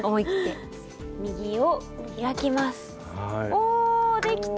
おできた！